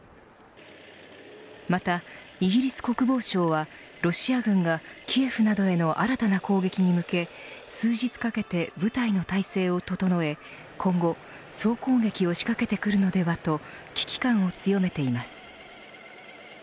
またイギリス国防省はロシア軍がキエフなどへの新たな攻撃に向け数日かけて部隊の態勢を整え今後総攻撃を仕掛けてくるのではと危機感を強めています。